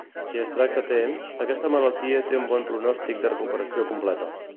Si es tracta a temps, aquesta malaltia té un bon pronòstic de recuperació completa.